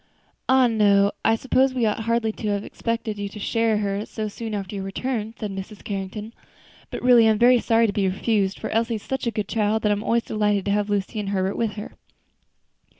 "Ah! no, I suppose we ought hardly to have expected you to spare her so soon after your return," said Mrs. Carrington; "but, really, I am very sorry to be refused, for Elsie is such a good child that I am always delighted to have Lucy and Herbert with her."